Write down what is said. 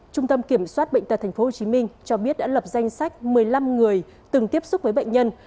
trung tâm kiểm soát bệnh tật tp hcm cho biết đã lập danh sách một mươi năm người từng tiếp xúc với bệnh nhân